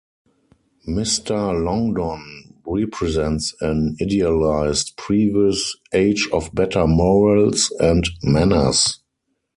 Mr. Longdon represents an idealized previous age of better morals and manners.